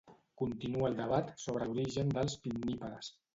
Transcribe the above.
Continua el debat sobre l'origen dels pinnípedes.